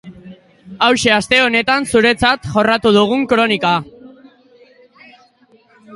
Hauxe aste honetan zuentzat jorratu dugun kronika.